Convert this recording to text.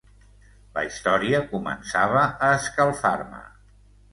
La història començava a escalfar-me.